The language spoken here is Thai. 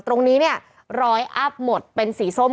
ตรงนี้เนี่ยรอยอัพหมดเป็นสีส้ม